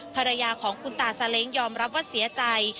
ภรรยาของคุณตาซาเล้งยอมรับว่าเสียใจ